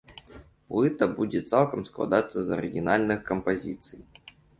Плыта будзе цалкам складацца з арыгінальных кампазіцый.